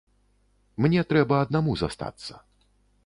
Мне трэба аднаму застацца.